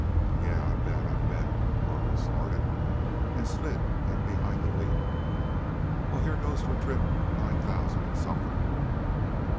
"Yeah, I bet, I bet!" the corporal snorted, and slid in behind the wheel. "Well, here goes for trip nine thousand and something!"